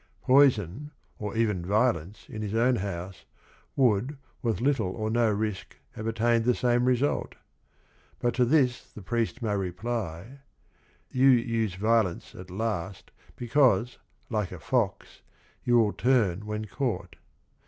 Poison or even violence in his own house would with little or no risk have attained the same result. But. to this the priest may reply: You use violence at last because, like a fox, you will turn when caught.